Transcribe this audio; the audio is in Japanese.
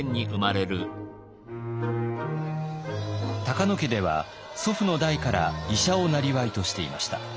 高野家では祖父の代から医者をなりわいとしていました。